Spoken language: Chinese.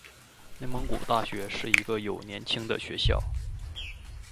内蒙古大学是一个有年轻的学校。